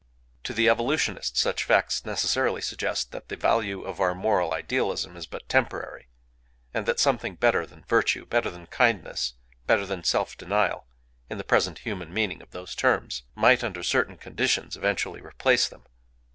To the Evolutionist such facts necessarily suggest that the value of our moral idealism is but temporary; and that something better than virtue, better than kindness, better than self denial,—in the present human meaning of those terms,—might, under certain conditions, eventually replace them.